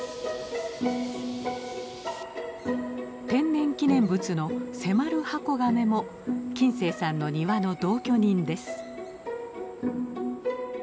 天然記念物のセマルハコガメも金星さんの庭の同居人です。